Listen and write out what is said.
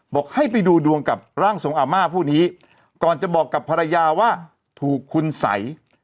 บอกให้ไปดูดวงกับร่างทรงอาม่าผู้นี้ก่อนจะบอกกับภรรยาว่าถูกคุณสัย